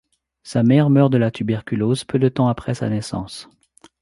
Sa mère meurt de la tuberculose peu de temps après sa naissance.